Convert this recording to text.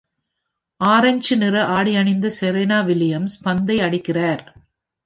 Orange நிற ஆடையணிந்த Serena Williams பந்தை அடிக்கின்றார்.